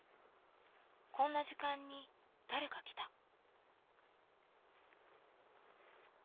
こんな時間に誰か来た。